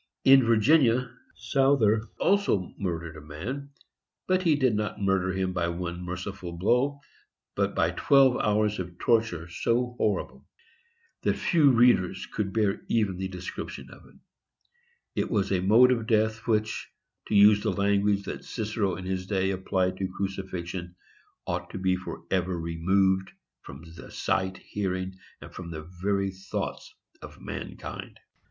In Virginia, Souther also murdered a man; but he did not murder him by one merciful blow, but by twelve hours of torture so horrible that few readers could bear even the description of it. It was a mode of death which, to use the language that Cicero in his day applied to crucifixion, "ought to be forever removed from the sight, hearing, and from the very thoughts of mankind."